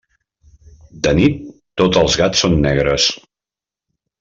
De nits, tots els gats són negres.